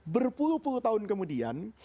berpuluh puluh tahun kemudian